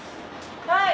はい！